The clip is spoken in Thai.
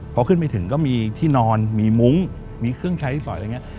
พอขึ้นไปถึงก็มีที่นอนมีมุ้งมีเครื่องใช้สอยอะไรอย่างนี้